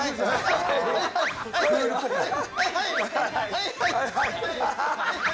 はい、はい！